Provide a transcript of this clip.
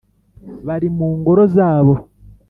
Bari mu ngoro zabo